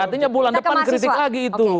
artinya bulan depan kritik lagi itu